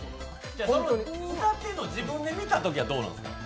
歌ってるのを自分で見たときはどうなんですか？